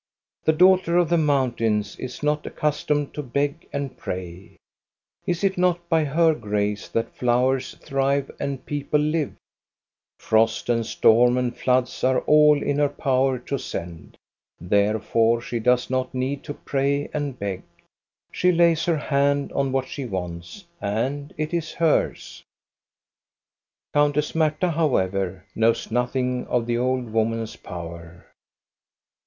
The daughter of the mountains is not accustomed to beg and pray ! Is it not by her grace that flowers thrive and people live } Frost and storm and .floods are all in her power to send. Therefore she does not need to pray and beg. She lays her hand on what she wants, and it is hers. Countess Marta, however, knows nothing of the old woman's power.